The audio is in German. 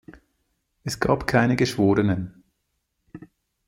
Es gab keine Geschworenen.